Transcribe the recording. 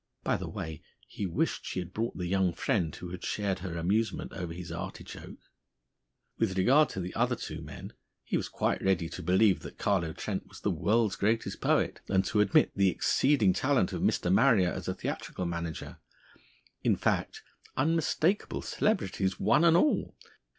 (By the way, he wished she had brought the young friend who had shared her amusement over his artichoke.) With regard to the other two men, he was quite ready to believe that Carlo Trent was the world's greatest poet, and to admit the exceeding talent of Mr. Marrier as a theatrical manager.... In fact, unmistakable celebrities, one and all!